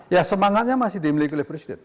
ya semangatnya masih dimiliki oleh presiden